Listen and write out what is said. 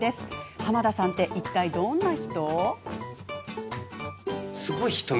濱田さんっていったい、どんな人？